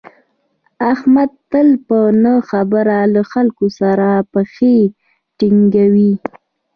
احمد تل په نه خبره له خلکو سره پښې ټینگوي.